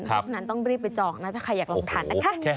เพราะฉะนั้นต้องรีบไปจองนะถ้าใครอยากลองทานนะคะ